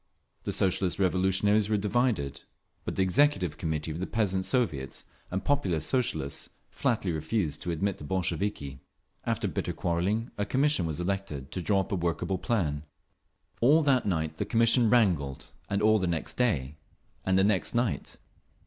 The Socialist Revolutionaries were divided; but the Executive Committee of the Peasants's Soviets and the Populist Socialists flatly refused to admit the Bolsheviki…. After bitter quarrelling a commission was elected to draw up a workable plan…. All that night the commission wrangled, and all the next day, and the next night.